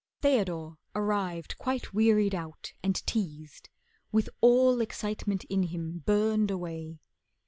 Theodore arrived quite wearied out and teased, With all excitement in him burned away.